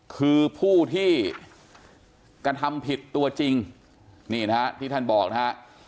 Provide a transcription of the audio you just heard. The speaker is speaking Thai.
คือผู้ที่กระทำผิดตัวจริงนี่นะฮะที่ท่านบอกนะฮะ